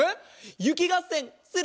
ゆきがっせんする？